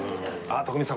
徳光さん